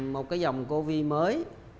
một dòng covid mới